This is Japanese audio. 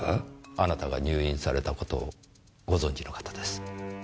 あなたが入院された事をご存じの方です。